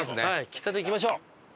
喫茶店行きましょう。